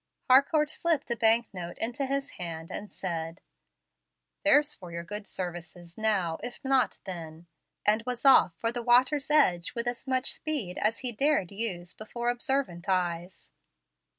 Harcourt slipped a bank note into his hand, and said, "There's for your good services now if not then," and was off for the water's edge with as much speed as he dared use before observant eyes.